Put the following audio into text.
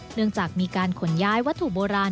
เนื่องจากมีการขนย้ายวัตถุโบราณ